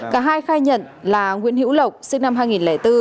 cả hai khai nhận là nguyễn hữu lộc sinh năm hai nghìn bốn